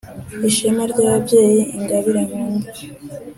Ishema ry’ababyeyi Ingabire nkunda!